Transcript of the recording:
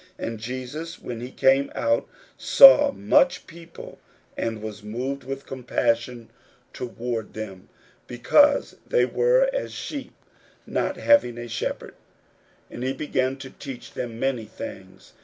41:006:034 And Jesus, when he came out, saw much people, and was moved with compassion toward them, because they were as sheep not having a shepherd: and he began to teach them many things.